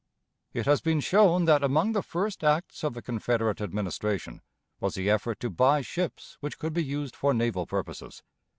It has been shown that among the first acts of the Confederate Administration was the effort to buy ships which could be used for naval purposes.